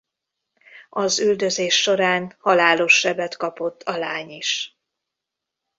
Az üldözés során halálos sebet kapott a lány is.